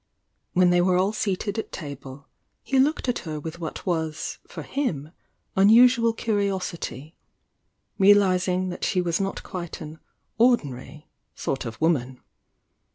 When they were all seated at table, he looked at her with what was tor hun unusual curiosity, realising that she was not quite an "ordinary" sort of woman.